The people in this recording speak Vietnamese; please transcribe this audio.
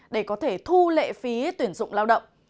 để có thể thu lệ phí tuyển dụng lao động